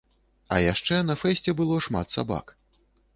А яшчэ на фэсце было шмат сабак.